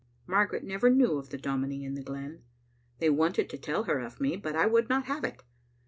Margaret never knew of the dominie in the glen. They wanted to tell her of me, but I would not have it.